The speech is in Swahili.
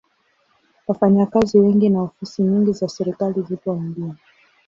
Wafanyakazi wengi na ofisi nyingi za serikali zipo mjini.